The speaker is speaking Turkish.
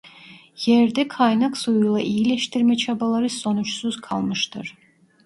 Yerde kaynak suyuyla iyileştirme çabaları sonuçsuz kalmıştır.